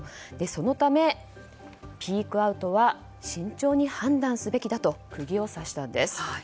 そのため、ピークアウトは慎重に判断すべきだと釘を刺したんです。